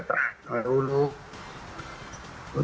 แต่ตอนรู้